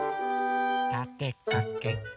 たてかけて。